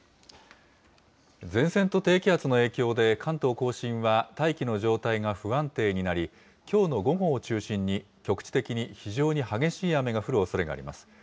前線と低気圧の影響で、関東甲信は大気の状態が不安定になり、きょうの午後を中心に、局地的に非常に激しい雨が降るおそれがあります。